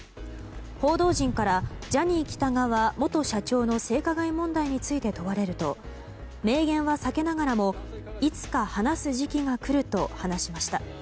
報道陣からジャニー喜多川元社長の性加害問題について問われると明言は避けながらもいつか話す時期が来ると話しました。